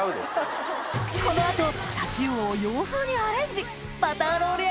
この後タチウオを洋風にアレンジ